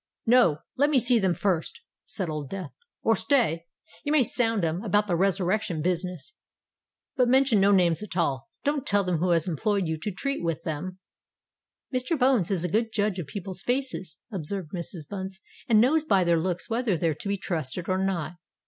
"No—let me see them first!" said Old Death. "Or stay—you may sound 'em about the resurrection business—but mention no names at all. Don't tell them who has employed you to treat with them——" "Mr. Bones is a good judge of people's faces," observed Mrs. Bunce; "and knows by their looks whether they're to be trusted or not."